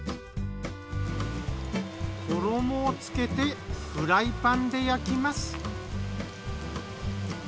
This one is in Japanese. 衣をつけてフライパンで焼きます。